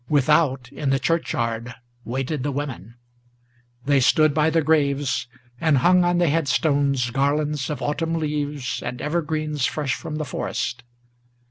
Without, in the churchyard, Waited the women. They stood by the graves, and hung on the headstones Garlands of autumn leaves and evergreens fresh from the forest.